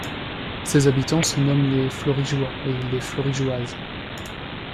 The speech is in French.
Ses habitants se nomment les Florigeois et les Florigeoises.